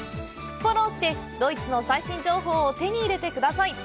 フォローしてドイツの最新情報を手に入れてください。